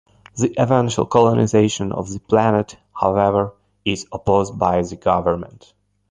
The eventual colonization of the planet, however, is opposed by the government.